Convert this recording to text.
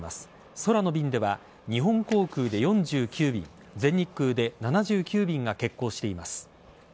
空の便では日本航空で４９便全日空で７９便が欠航しています。